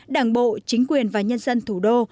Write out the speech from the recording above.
đảng bộ chính quyền và nhân dân thủ đô